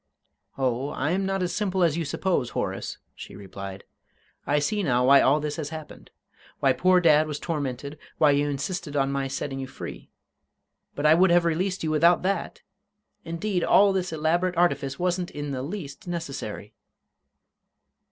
"Oh, I am not so simple as you suppose, Horace," she replied. "I see now why all this has happened: why poor dad was tormented; why you insisted on my setting you free. But I would have released you without that! Indeed, all this elaborate artifice wasn't in the least necessary!"